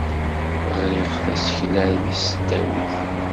Ɣriɣ tasekla deg tesdawit.